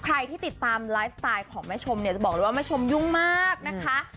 ใครที่ติดตามไลฟ์สไตล์ของแม่ชมเนี่ยจะบอกเลยว่าแม่ชมยุ่งมากนะคะ